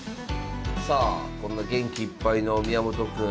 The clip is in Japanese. さあこの元気いっぱいの宮本くん